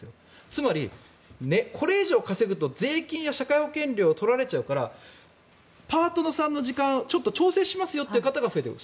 つまり、これ以上稼ぐと税金や社会保険料を取られちゃうからパートさんの時間を調整しましょうという方が出てくる。